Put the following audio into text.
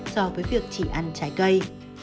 so với việc chỉ ăn trái cây